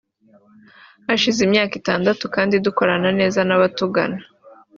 Hashize imyaka itandatu kandi dukorana neza n’abatugana